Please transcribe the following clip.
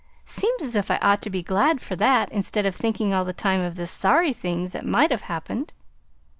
Seems as if I ought to be glad for that instead of thinking all the time of the sorry things that might have happened."